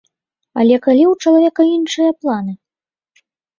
Але калі ў чалавека іншыя планы?